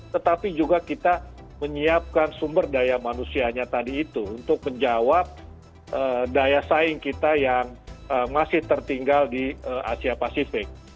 tetapi juga kita menyiapkan sumber daya manusianya tadi itu untuk menjawab daya saing kita yang masih tertinggal di asia pasifik